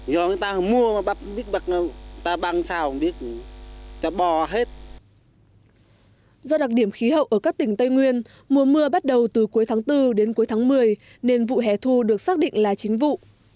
do đặc điểm khí hậu ở các tỉnh tây nguyên mùa mưa bắt đầu từ cuối tháng bốn đến cuối tháng một mươi nên vụ hẻ thu được xác định là chính vụ